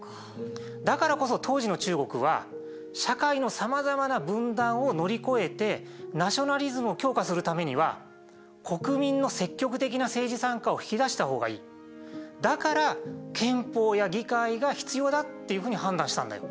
だからこそ当時の中国は社会のさまざまな分断を乗り越えてナショナリズムを強化するためには国民の積極的な政治参加を引き出した方がいいだから憲法や議会が必要だっていうふうに判断したんだよ。